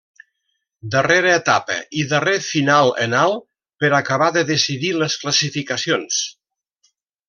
Darrera etapa i darrer final en alt per acabar de decidir les classificacions.